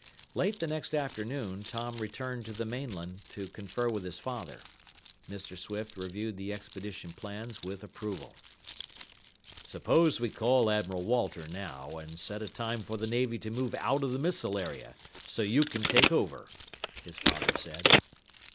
Late the next afternoon Tom returned to the mainland to confer with his father. Mr. Swift reviewed the expedition plans with approval. "Suppose we call Admiral Walter now and set a time for the Navy to move out of the missile area, so you can take over," his father said.